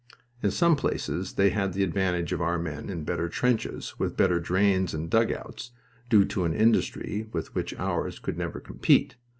In some places they had the advantage of our men in better trenches, with better drains and dugouts due to an industry with which ours could never compete.